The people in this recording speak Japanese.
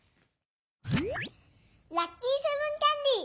ラッキーセブンキャンディー